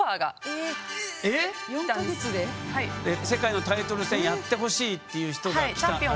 世界のタイトル戦やってほしいっていう人が現れた？